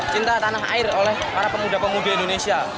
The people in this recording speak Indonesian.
cinta tanah air oleh para pemuda pemuda indonesia